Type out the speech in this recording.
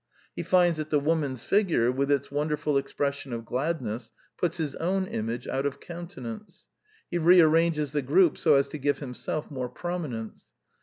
He finds that the woman's figure, with its wonderful expression of gladness, puts his own image out of countenance. He rearranges the group so as to give himself more prominence.